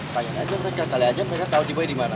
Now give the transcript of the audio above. tanyain aja mereka kali aja mereka tau di boy dimana